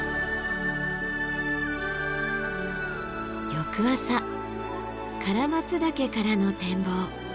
翌朝唐松岳からの展望。